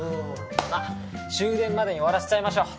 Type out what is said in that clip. まっ終電までに終わらせちゃいましょう。